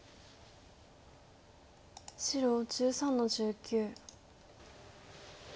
白１３の十九。